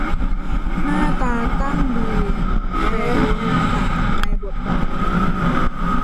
หน้าตาตั้งดี แต่โดนหน้ากากอนามัยบดบัง